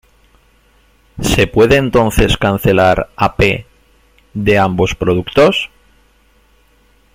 Se puede entonces cancelar a "p" de ambos productos.